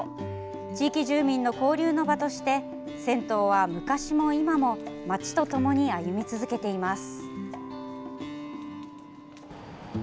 地域住民の交流の場として銭湯は、昔も今も街とともに歩み続けています。